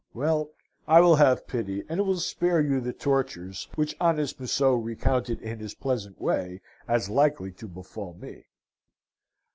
Well, I will have pity, and will spare you the tortures which honest Museau recounted in his pleasant way as likely to befall me.